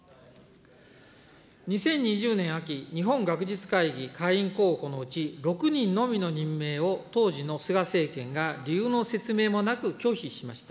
２０２０年秋、日本学術会議会員候補のうち６人のみの任命を当時の菅政権が理由の説明もなく、拒否しました。